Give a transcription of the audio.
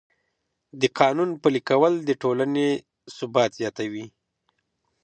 د قانون پلي کول د ټولنې ثبات زیاتوي.